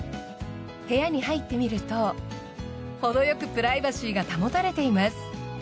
部屋に入ってみると程よくプライバシーが保たれています。